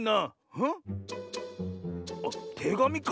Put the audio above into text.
あってがみか？